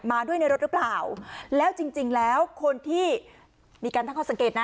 มาด้วยในรถหรือเปล่าแล้วจริงจริงแล้วคนที่มีการตั้งข้อสังเกตนะ